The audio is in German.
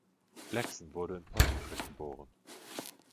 Laxon wurde in Pontypridd geboren.